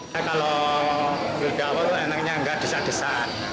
kalau lebih awal enaknya enggak desa desa